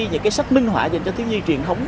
những sách minh họa dành cho thiếu nhi truyền thống